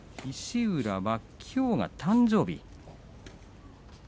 石浦は、きょうが誕生日。